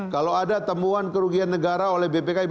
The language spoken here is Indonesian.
kalau ada temuan kerugian negara oleh bpkb